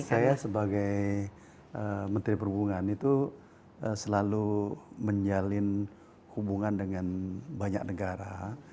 saya sebagai menteri perhubungan itu selalu menjalin hubungan dengan banyak negara